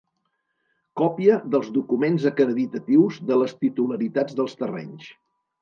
Còpia dels documents acreditatius de les titularitats dels terrenys.